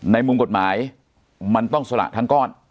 มุมกฎหมายมันต้องสละทั้งก้อน